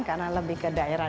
karena lebih ke daerah